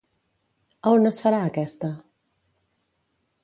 A on es farà aquesta?